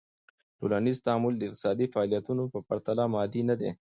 ټولنیز تعامل د اقتصادی فعالیتونو په پرتله مادي ندي.